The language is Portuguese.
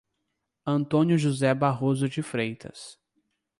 Antônio José Barroso de Freitas